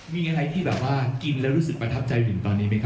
มีอะไรที่แบบว่ากินแล้วรู้สึกประทับใจถึงตอนนี้ไหมครับ